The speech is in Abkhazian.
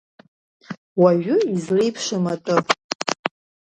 Уажәы излеиԥшым атәы…